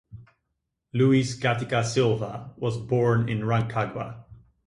Luis Gatica Silva was born in Rancagua.